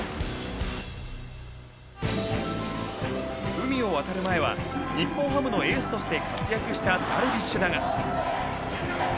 海を渡る前は日本ハムのエースとして活躍したダルビッシュだが。